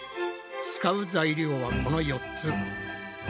使う材料はこの４つ。